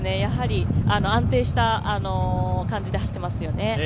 安定した感じで走ってますよね。